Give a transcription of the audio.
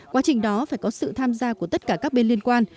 quá trình đó phải có sự tham gia của tất cả các bên liên quan